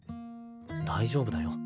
大丈夫だよ。